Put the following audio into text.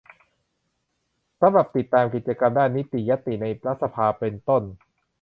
สำหรับติดตามกิจกรรมด้านนิติญัตติในรัฐสภา เป็นต้น